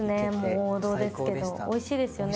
王道ですけどおいしいですよね